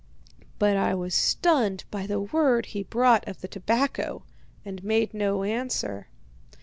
"But I was stunned by the word he brought of the tobacco, and made no answer.